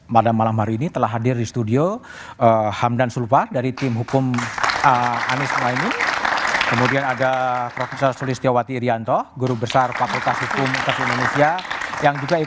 pada malam hari ini